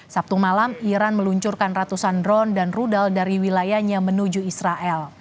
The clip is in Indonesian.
sabtu malam iran meluncurkan ratusan drone dan rudal dari wilayahnya menuju israel